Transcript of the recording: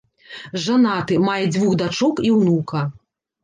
Жанаты, мае дзвюх дачок і ўнука.